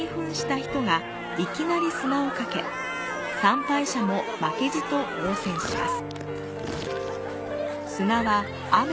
参拝者も負けじと応戦します。